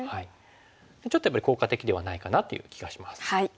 ちょっとやっぱり効果的ではないかなという気がします。